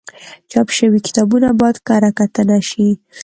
چاپ شوي کتابونه باید کره کتنه شي.